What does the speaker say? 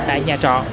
tại nhà trọ